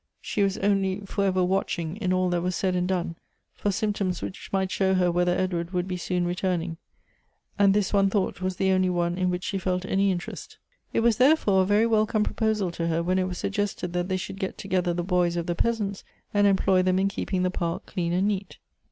She was only for ever watch ing, in all that was said and done, for symptoms which might show her whether Edward would be soon return ing : and this one thought was the only one in which she felt any interest. It was, therefore, a very welcome proposal to her when it was suggested that they should get together the boys of the peasants, and employ them in keeping the park clean and ne.it.